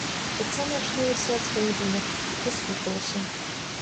Таццяна ачнулася ад сваіх думак, прыслухалася.